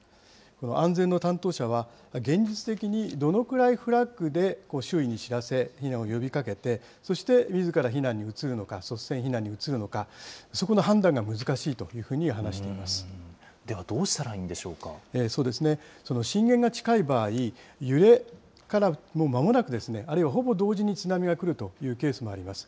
安全の担当者は、現実的にどのくらいフラッグで周囲に知らせ、避難を呼びかけて、そしてみずから避難に移るのか、率先避難に移るのか、そこの判断が難しいというふうに話していまではどうしたらいいんでしょそうですね、震源が近い場合、揺れからもうまもなく、あるいはほぼ同時に津波が来るというケースもあります。